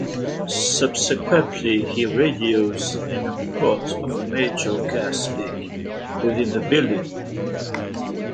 Subsequently, he radios in a report of a major gas leak within the building.